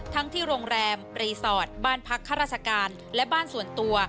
ที่โรงแรมรีสอร์ทบ้านพักข้าราชการและบ้านส่วนตัว